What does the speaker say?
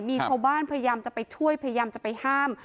มีชาวบ้านพยายามจะไปช่วยพยายามจะไปห้าม